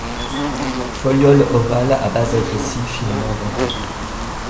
Folioles ovales à base rétrécie, finement dentées.